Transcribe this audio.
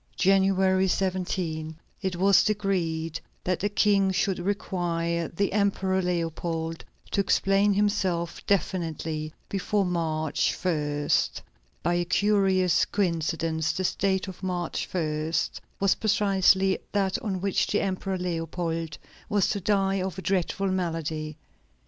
January 17, it was decreed that the King should require the Emperor Leopold to explain himself definitely before March 1. By a curious coincidence, this date of March 1 was precisely that on which the Emperor Leopold was to die of a dreadful malady.